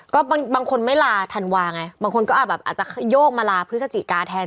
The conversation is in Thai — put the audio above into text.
ก็บางคนไม่ลาธันวาไงบางคนก็อาจแบบอาจจะโยกมาลาพฤศจิกาแทน